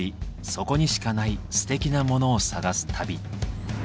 そこにしかないステキなモノを探す旅。